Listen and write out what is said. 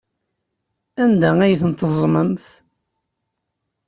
Anda ay tent-teẓẓmemt?